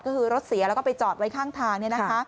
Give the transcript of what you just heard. ก็คือรถเสียแล้วก็ไปจอดไว้ข้างทาง